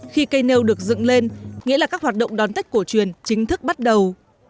khi cây nêu được dựng lên nghĩa là các hoạt động đón tết cổ truyền chính thức bắt đầu